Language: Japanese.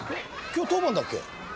今日当番だっけ？